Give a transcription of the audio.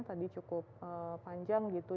tadi cukup panjang gitu